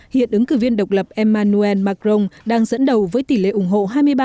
hiện ứng cử viên độc lập emmanuel macron đang dẫn đầu với tỷ lệ ủng hộ hai mươi ba